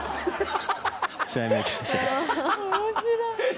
面白い。